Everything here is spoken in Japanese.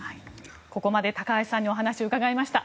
ここまで高橋さんにお話を伺いました。